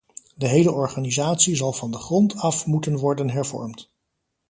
De hele organisatie zal van de grond af moeten worden hervormd.